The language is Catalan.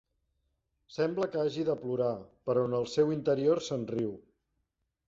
Sembla que hagi de plorar, però en el seu interior se'n riu.